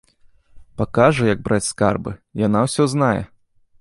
Пакажа, як браць скарбы, яна ўсё знае!